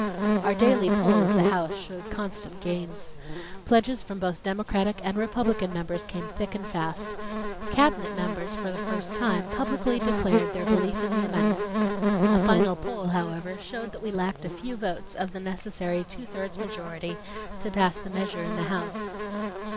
Our daily poll of the House showed constant gains. Pledges from both Democratic and Republican members came thick and fast; cabinet members for the first time publicly declared their belief in the amendment. A final poll, however, showed that we lacked a few votes of the necessary two thirds majority to pass the measure in the House.